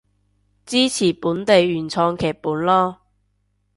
支持本地原創劇本囉